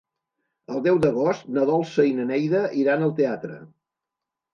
El deu d'agost na Dolça i na Neida iran al teatre.